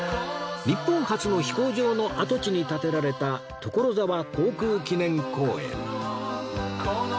日本初の飛行場の跡地に建てられた所沢航空記念公園